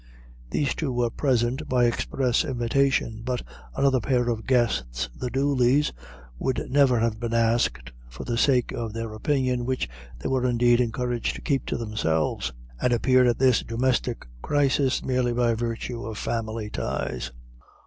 These two were present by express invitation, but another pair of guests, the Dooleys, would never have been asked for the sake of their opinion, which they were indeed encouraged to keep to themselves, and appeared at this domestic crisis merely by virtue of family ties.